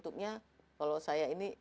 kalau saya ini